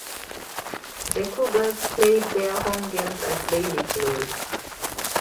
The Cougars played their home games at Bailey Field.